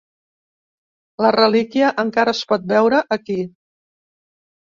La relíquia encara es pot veure aquí.